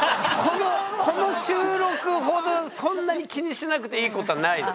この収録ほどそんなに気にしなくていいことはないです。